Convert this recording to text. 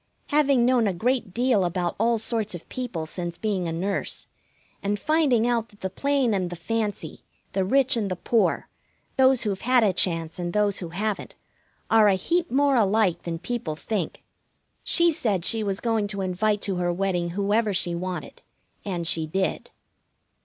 Having known a great deal about all sorts of people since being a nurse, and finding out that the plain and the fancy, the rich and the poor, those who've had a chance and those who haven't, are a heap more alike than people think, she said she was going to invite to her wedding whoever she wanted. And she did.